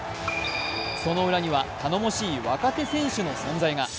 その裏には頼もしい若手選手の存在が。